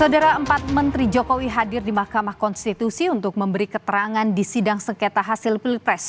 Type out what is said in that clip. saudara empat menteri jokowi hadir di mahkamah konstitusi untuk memberi keterangan di sidang sengketa hasil pilpres